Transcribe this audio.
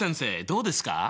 どうですか？